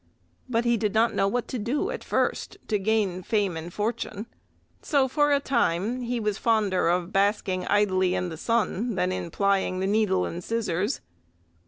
But he did not know what to do at first to gain fame and fortune, so for a time he was fonder of basking idly in the sun than in plying the needle and scissors.